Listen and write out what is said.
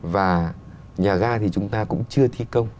và nhà ga thì chúng ta cũng chưa thi công